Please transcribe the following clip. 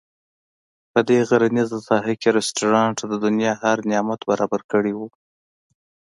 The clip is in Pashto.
په دې غرنیزه ساحه کې رسټورانټ د دنیا هر نعمت برابر کړی وو.